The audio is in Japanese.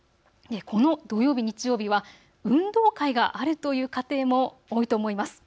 この土曜日、日曜日は運動会があるという家庭も多いと思います。